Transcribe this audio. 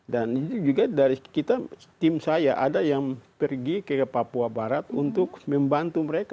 dan juga dari kita tim saya ada yang pergi ke papua barat untuk membantu mereka